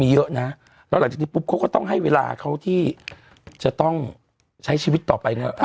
เยอะนะแล้วหลังจากนี้ปุ๊บเขาก็ต้องให้เวลาเขาที่จะต้องใช้ชีวิตต่อไปเนี่ย